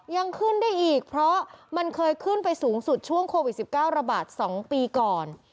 ยังขึ้นได้อีกเพราะมันเคยขึ้นไปสูงสุดช่วงโควิด๑๙ระบาด๒ปีก่อน